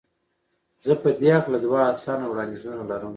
زه په دې هکله دوه اسانه وړاندیزونه لرم.